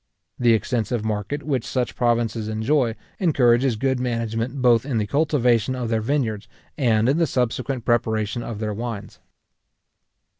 The extensive market which such provinces enjoy, encourages good management both in the cultivation of their vineyards, and in the subsequent preparation of their wines.